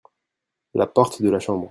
La porte de la chambre.